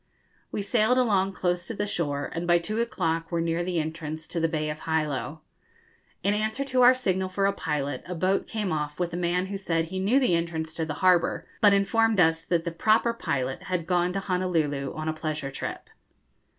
We sailed along close to the shore, and by two o'clock were near the entrance to the Bay of Hilo. In answer to our signal for a pilot a boat came off with a man who said he knew the entrance to the harbour, but informed us that the proper pilot had gone to Honolulu on a pleasure trip.